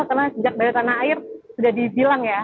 karena sejak dari tanah air sudah dibilang ya